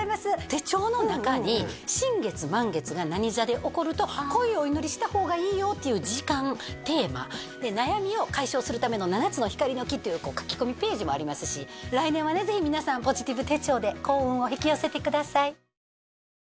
手帳の中に新月満月が何座で起こるとこういうお祈りした方がいいよっていう時間テーマ悩みを解消するための７つの光の木という書き込みページもありますし来年はぜひ皆さん「ポジティブ手帳」で幸運を引き寄せてください